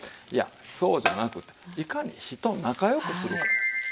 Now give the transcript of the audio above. いやそうじゃなくていかに火と仲良くするかです。